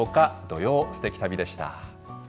土曜すてき旅でした。